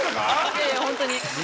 いやいやホントに。